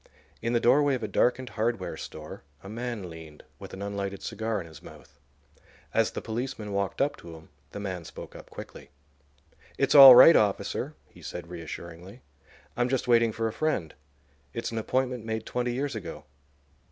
In the doorway of a darkened hardware store a man leaned, with an unlighted cigar in his mouth. As the policeman walked up to him the man spoke up quickly. "It's all right, officer," he said, reassuringly. "I'm just waiting for a friend. It's an appointment made twenty years ago.